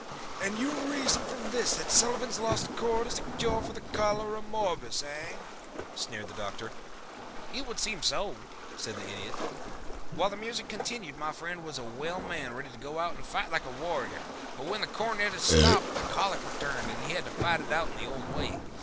"And you reason from this that Sullivan's Lost Chord is a cure for Cholera morbus, eh?" sneered the Doctor. "It would seem so," said the Idiot. "While the music continued my friend was a well man ready to go out and fight like a warrior, but when the cornetist stopped the colic returned and he had to fight it out in the old way.